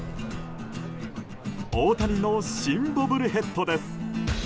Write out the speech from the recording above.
大谷の新ボブルヘッドです。